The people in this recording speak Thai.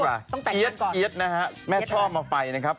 อันนี้ดีกว่าเอี๊ยดนะฮะแม่ชอบมาไฟนะครับ